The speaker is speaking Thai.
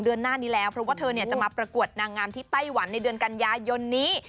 เพราะว่าเธอจะมาประกวดนางงามที่ไต้หวันในเดือนกันยายนนี้